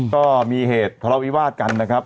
ก็มีเหตุทะเลาวิวาสกันนะครับ